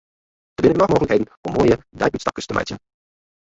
Der binne genôch mooglikheden om moaie deiútstapkes te meitsjen.